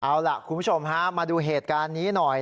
เอาล่ะคุณผู้ชมฮะมาดูเหตุการณ์นี้หน่อย